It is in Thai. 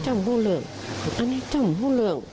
อันนี้มันพูดเรื่องอันนี้เจ้ามันพูดเรื่อง